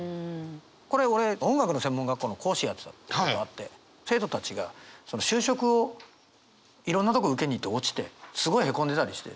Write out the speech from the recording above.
これ俺音楽の専門学校の講師やってたことあって生徒たちが就職をいろんなとこ受けに行って落ちてすごいへこんでたりして。